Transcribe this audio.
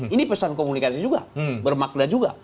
ini pesan komunikasi juga bermakna juga